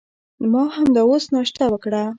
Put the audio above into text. ما همدا اوس ناشته وکړه.